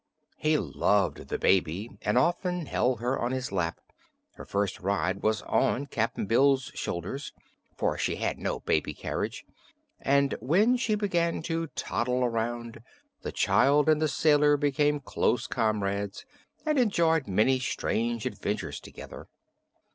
He loved the baby and often held her on his lap; her first ride was on Cap'n Bill's shoulders, for she had no baby carriage; and when she began to toddle around, the child and the sailor became close comrades and enjoyed many strange adventures together.